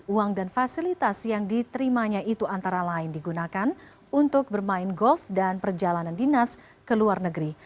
uang dan fasilitas yang diterimanya itu antara lain digunakan untuk bermain golf dan perjalanan dinas ke luar negeri